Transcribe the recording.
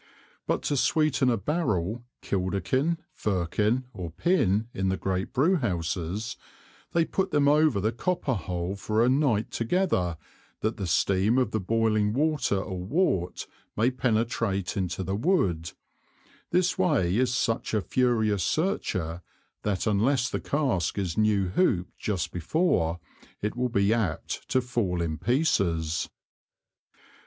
But to sweeten a Barrel, Kilderkin, Firkin or Pin in the great Brewhouses, they put them over the Copper Hole for a Night together, that the Steam of the boiling Water or Wort may penetrate into the Wood; this Way is such a furious Searcher, that unless the Cask is new hooped just before, it will be apt to fall in pieces.